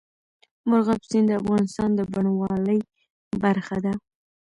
مورغاب سیند د افغانستان د بڼوالۍ برخه ده.